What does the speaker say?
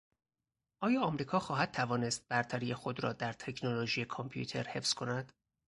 آیا امریکا خواهد توانست برتری خود را در تکنولوژی کامپیوتر حفظ کند؟